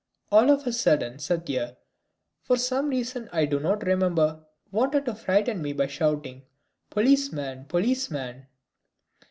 All of a sudden Satya, for some reason I do not remember, wanted to frighten me by shouting, "Policeman! Policeman!"